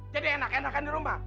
jadi enak enakan di rumah